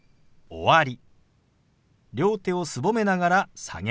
「終わり」。